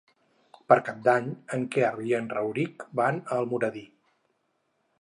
Per Cap d'Any en Quer i en Rauric van a Almoradí.